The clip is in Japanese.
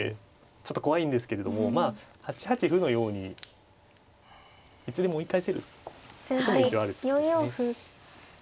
ちょっと怖いんですけれどもまあ８八歩のようにいつでも追い返せる手も一応ある。